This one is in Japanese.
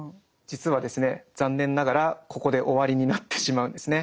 実はですね残念ながらここで終わりになってしまうんですね。